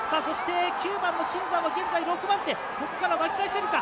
９番の新山は現在６番手、ここから巻き返せるか？